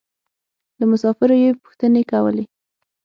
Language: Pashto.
له مسافرو يې پوښتنې کولې.